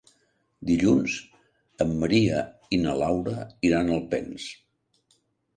Dilluns en Maria i na Laura iran a Alpens.